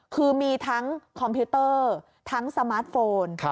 คือมีทั้งคอมพิวเตอร์ทั้งสมาร์ทโฟน